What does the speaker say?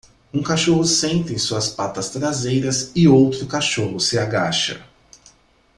Um cachorro senta em suas patas traseiras e outro cachorro se agacha.